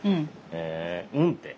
へえ「うん」って。